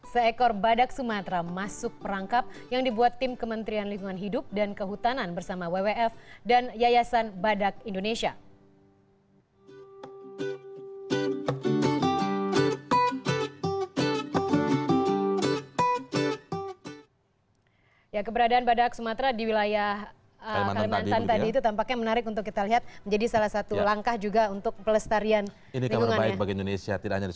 seekor badak sumatera masuk perangkap yang dibuat tim kementerian lingkungan hidup dan kehutanan bersama wwf dan yayasan badak indonesia